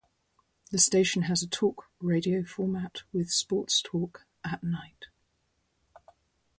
The station has a talk radio format with sports talk at night.